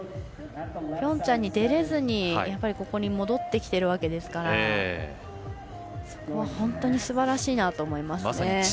ピョンチャンに出られずにここに戻ってきてるわけですからそこは本当にすばらしいなと思いますね。